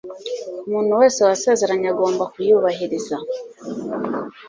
Umuntu wese wasezeranye agomba kuyubahiriza